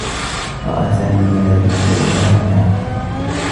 رأى سامي ملابس ليلى هناك.